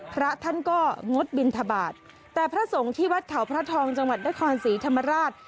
พระท่านก็งดบินทบาทแต่พระสงฆ์ที่วัดเขาพระทองจังหวัดนครศรีธรรมราช